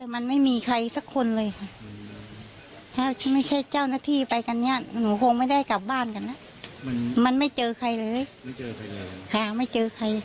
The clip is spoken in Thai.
มันไม่มีใครสักคนเลยครับถ้าไม่ใช่เจ้าหน้าที่ไปกันเนี่ยหนูคงไม่ได้กลับบ้านกันนะมันไม่เจอใครเลย